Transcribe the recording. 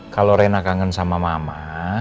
kalau rena kangen sama mama